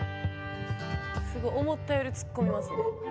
すごい思ったより突っ込みますね。